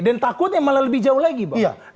dan takutnya malah lebih jauh lagi bang